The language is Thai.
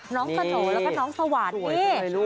น้องสโดแล้วก็น้องสวรรค์นี่